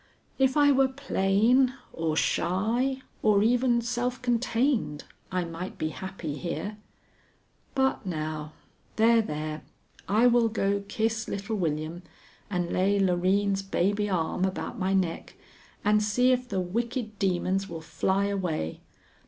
If I were plain, or shy, or even self contained, I might be happy here, but now There! there! I will go kiss little William, and lay Loreen's baby arm about my neck and see if the wicked demons will fly away.